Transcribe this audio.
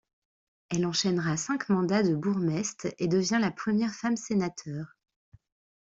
Elle enchaînera cinq mandats de bourgmestre et devient la première femme sénateur.